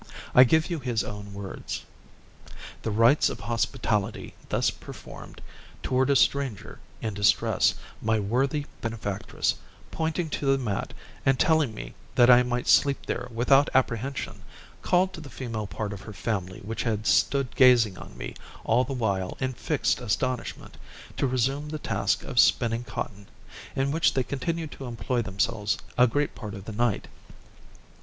I give you his own words: "The rites of hospitality thus performed toward a stranger in distress, my worthy benefactress, pointing to the mat, and telling me that I might sleep there without apprehension, called to the female part of her family which had stood gazing on me all the while in fixed astonishment, to resume the task of spinning cotton, in which they continued to employ themselves a great part of the night.